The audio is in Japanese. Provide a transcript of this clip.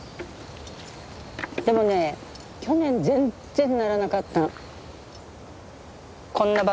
でもね去年全然ならなかったの。